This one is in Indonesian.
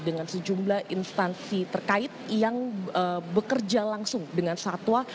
dengan sejumlah instansi terkait yang bekerja langsung dengan satwa